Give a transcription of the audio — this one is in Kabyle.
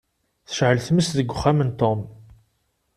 Tecεel tmes deg uxxam n Tom.